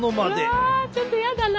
うわちょっとやだな。